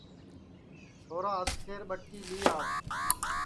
چھورا ادھ سیر ٻٹکی لی آوَ